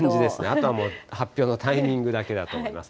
あとはもう、発表のタイミングだけだと思います。